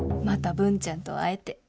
また文ちゃんと会えて。